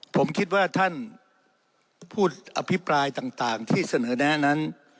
ผมคิดว่าท่านผู้อภิปรายต่างที่เสนอแนะนั้น